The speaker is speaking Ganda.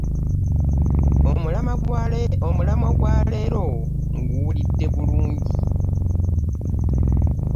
Omulamwa gwa leero nguwudde bulungi.